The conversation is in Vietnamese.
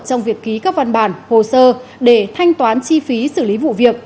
trong việc ký các văn bản hồ sơ để thanh toán chi phí xử lý vụ việc